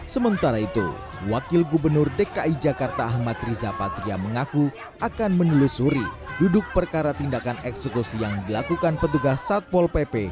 sementara itu wakil gubernur dki jakarta ahmad riza patria mengaku akan menelusuri duduk perkara tindakan eksekusi yang dilakukan petugas satpol pp